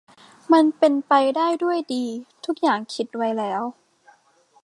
มันเป็นไปได้ด้วยดี ทุกอย่างคิดไว้แล้ว